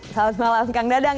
selamat malam kang dadang